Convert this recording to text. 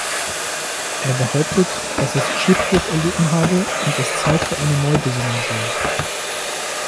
Er behauptet, dass es Schiffbruch erlitten habe und es Zeit für eine Neubesinnung sei.